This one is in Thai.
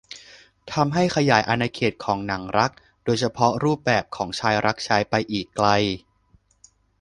ทำให้ขยายอาณาเขตของหนังรัก โดยเฉพาะรูปแบบของชายรักชายไปอีกไกล